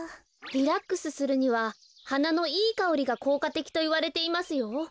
リラックスするにははなのいいかおりがこうかてきといわれていますよ。